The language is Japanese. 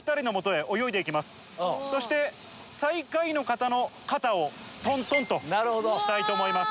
そして最下位の方の肩をトントンとしたいと思います。